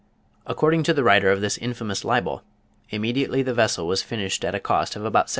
According to the writer of this infamous libel, immediately the vessel was finished at a cost of about $79.